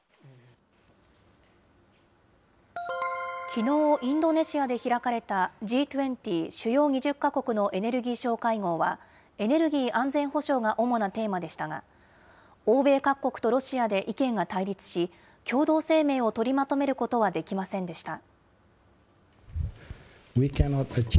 きのう、インドネシアで開かれた、Ｇ２０・主要２０か国のエネルギー相会合は、エネルギー安全保障が主なテーマでしたが、欧米各国とロシアで意見が対立し、共同声明を取りまとめることはできませんでした。